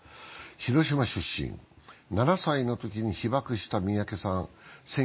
広島出身、７歳のときに被爆した三宅さん。